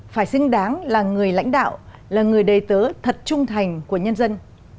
phải xứng đáng là người lãnh đạo là người đề tớ thật trung thành của nhân dân